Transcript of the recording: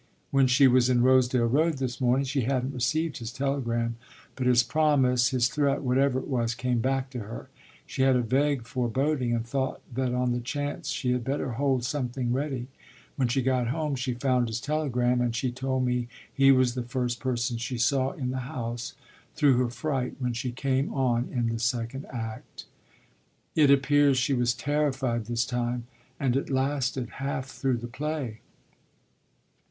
When she was in Rosedale Road this morning she hadn't received his telegram; but his promise, his threat, whatever it was, came back to her: she had a vague foreboding and thought that on the chance she had better hold something ready. When she got home she found his telegram, and she told me he was the first person she saw in the house, through her fright when she came on in the second act. It appears she was terrified this time, and it lasted half through the play."